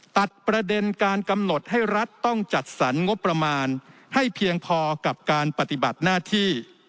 ตัดประเด็นการกำหนดให้รัฐต้องจัดสรรงบประมาณให้เพียงพอกับการปฏิบัติหน้าที่